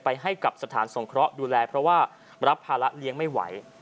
ให้กับสถานสงเคราะห์ดูแลเพราะว่ารับภาระเลี้ยงไม่ไหว